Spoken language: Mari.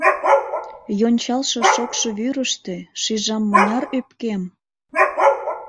Йончалше шокшо вӱрыштӧ Шижам мыняр ӧпкем?!